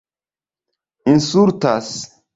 insultas